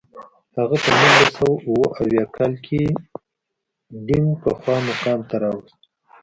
هغه په نولس سوه اووه اویا کال کې دینګ پخوا مقام ته راوست.